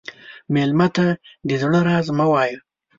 مېلمه ته د زړه راز مه وایه.